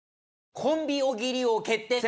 コンビ大喜利王決定戦！